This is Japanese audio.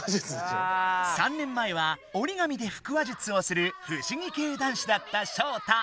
３年前はおりがみで腹話術をするふしぎ系男子だったショウタ。